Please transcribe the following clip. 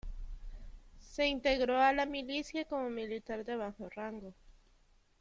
Se integró a la milicia como militar de bajo rango.